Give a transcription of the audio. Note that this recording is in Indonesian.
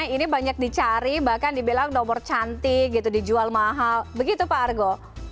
ini banyak dicari bahkan dibilang nomor cantik gitu dijual mahal begitu pak argo